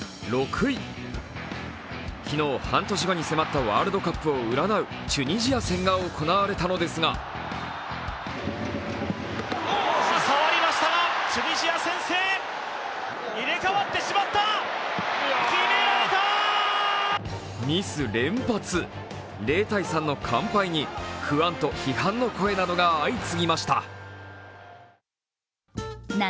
昨日、半年後に迫ったワールドカップを占うチュニジア戦が行われたのですがミス連発、０−３の完敗に不安と批判の声などが相次ぎました。